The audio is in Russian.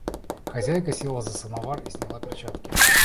Хозяйка села за самовар и сняла перчатки.